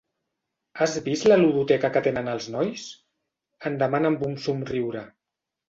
Has vist la ludoteca que tenen els nois? —em demana amb un somriure.